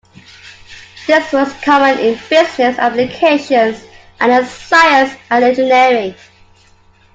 This was common in business applications and in science and engineering.